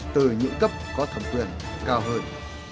từ những cấp có thẩm quyền cao hơn